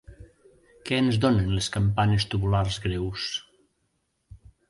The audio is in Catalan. Què ens donen les campanes tubulars greus?